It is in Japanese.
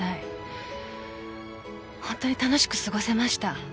本当に楽しく過ごせました。